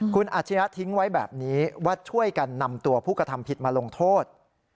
คุณอาชญะทิ้งไว้แบบนี้ว่าช่วยกันนำตัวผู้กระทำผิดมาลงโทษ